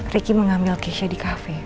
ricky mengambil keisha di kafe